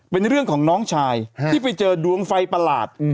เป็นเรื่องของน้องชายที่ไปเจอดวงไฟประหลาด